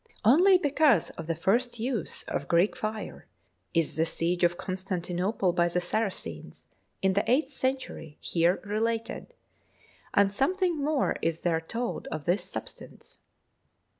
Only because of the first use of Greek fire is the siege of Constantinople by the Saracens, in the eighth century, here related, and something more is there told of this substance.